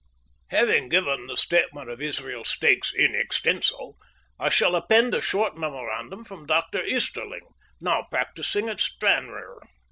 Having given the statement of Israel Stakes in extenso, I shall append a short memorandum from Dr. Easterling, now practising at Stranraer.